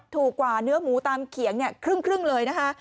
ถูกกว่าเนื้อหมูตามเขียงเนี่ยครึ่งเลยนะคะ